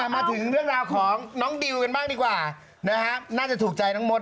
มาถึงเรื่องราวของน้องดิวกันบ้างดีกว่านะฮะน่าจะถูกใจน้องมด